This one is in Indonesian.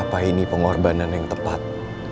apa ini pengorbanan yang tepat